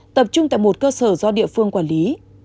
tập trung tại một cơ sở do địa phương quản lý